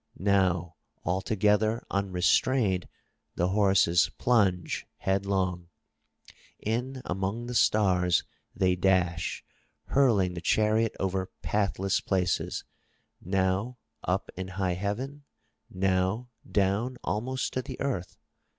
Now altogether unrestrained, the horses plunge headlong. In among the stars they dash hurling the chariot over pathless places, now up in high heaven, now down almost to the earth.